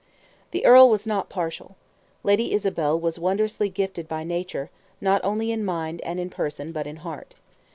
The earl was not partial. Lady Isabel was wondrously gifted by nature, not only in mind and person but in heart.